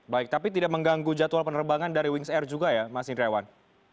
baik tapi tidak mengganggu jadwal penerbangan dari wings air juga ya mas indrawan